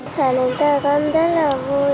sở hữu cho con rất là vui